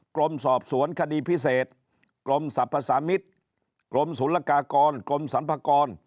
กรมสอบสวนคดีพิเศษกรมสรรพสามิตรกรมศูนย์ละกากรกรมสรรพากร